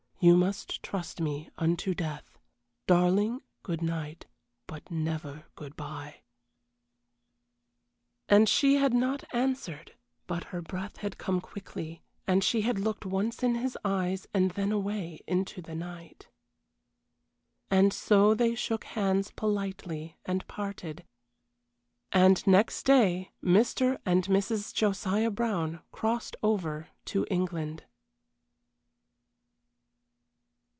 You must trust me unto death. Darling, good night, but never good bye!" And she had not answered, but her breath had come quickly, and she had looked once in his eyes and then away into the night. And so they shook hands politely and parted. And next day Mr. and Mrs. Josiah Brown crossed over to England.